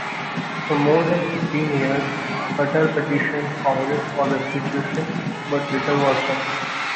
For more than fifteen years, Sutter petitioned Congress for restitution but little was done.